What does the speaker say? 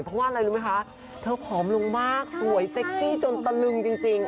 เพราะว่าอะไรรู้ไหมคะเธอผอมลงมากสวยเซ็กซี่จนตะลึงจริง